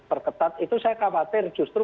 perketat itu saya khawatir justru